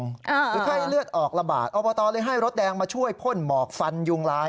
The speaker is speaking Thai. คือไข้เลือดออกระบาดอบตเลยให้รถแดงมาช่วยพ่นหมอกฟันยุงลาย